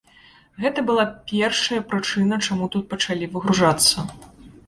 Гэта была першая прычына, чаму тут пачалі выгружацца.